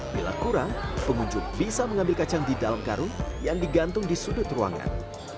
bila kurang pengunjung bisa mengambil kacang di dalam karung yang digantung di sudut ruangan